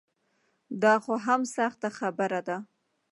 دا خو هم سخته خبره ده.